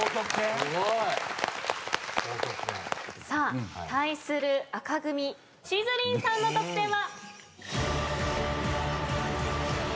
すごい。さあ対する赤組しずりんさんの得点は。